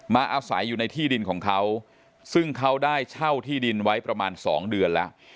อาศัยอยู่ในที่ดินของเขาซึ่งเขาได้เช่าที่ดินไว้ประมาณ๒เดือนแล้ว